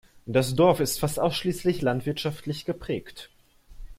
Das Dorf ist fast ausschließlich landwirtschaftlich geprägt.